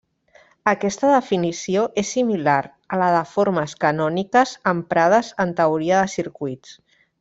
Aquesta definició és similar a la de formes canòniques emprades en teoria de circuits.